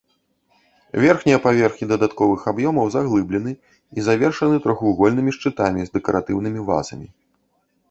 Верхнія паверхі дадатковых аб'ёмаў заглыблены і завершаны трохвугольнымі шчытамі з дэкаратыўнымі вазамі.